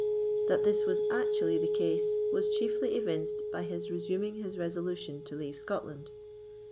That this was actually the case was chiefly evinced by his resuming his resolution to leave Scotland.